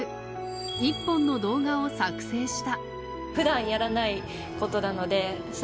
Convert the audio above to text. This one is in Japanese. １本の動画を作製した。